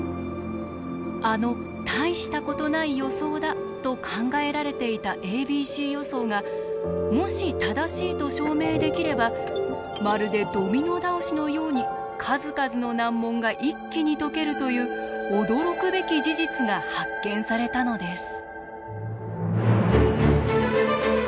あのたいしたことない予想だと考えられていたａｂｃ予想がもし正しいと証明できればまるでドミノ倒しのように数々の難問が一気に解けるという驚くべき事実が発見されたのです。